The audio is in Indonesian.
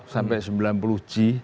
sampai sembilan puluh g